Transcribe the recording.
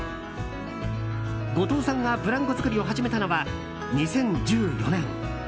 後藤さんがブランコ作りを始めたのは、２０１４年。